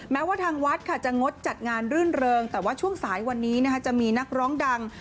แม้ว่าทางวัดค่ะจะงดจัดงานรื่นเริงแต่ว่าช่วงสายวันนี้จะมีนักร้องดัง